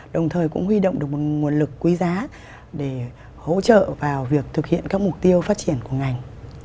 đồng thời cũng huy động được một nguồn lực quý giá để hỗ trợ vào việc thực hiện các mục tiêu phát triển của ngành